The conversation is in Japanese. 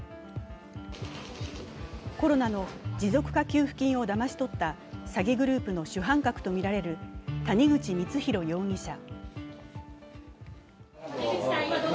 コロナの持続化給付金をだまし取った詐欺グループの主犯格とみられる谷口光弘容疑者。